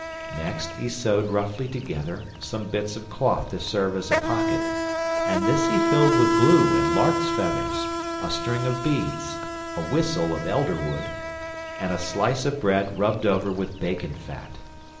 Next he sewed roughly together some bits of cloth to serve as a pocket, and this he filled with glue and lark's feathers, a string of beads, a whistle of elder wood, and a slice of bread rubbed over with bacon fat.